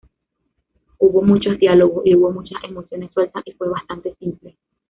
Hubo muchos diálogos y hubo muchas emociones sueltas y fue bastante simple.